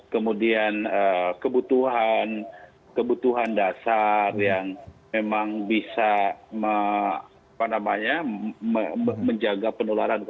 kemudian kebutuhan kebutuhan dasar yang memang bisa menjaga penularan covid sembilan belas